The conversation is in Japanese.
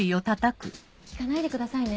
聞かないでくださいね。